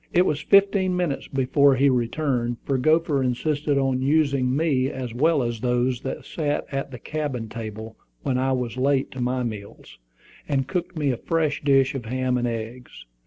It was fifteen minutes before he returned, for Gopher insisted on using me as well as those that sat at the cabin table when I was late to my meals, and cooked me a fresh dish of ham and eggs.